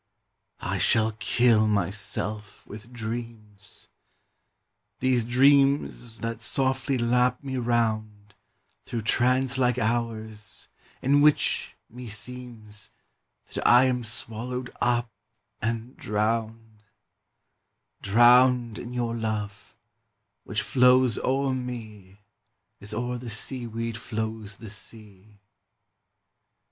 I shall kill myself with dreams! These dreams that softly lap me round Through trance like hours in which meseems That I am swallowed up and drowned; Drowned in your love, which flows o'er me As o'er the seaweed flows the sea.